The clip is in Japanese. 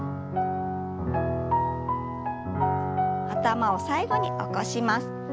頭を最後に起こします。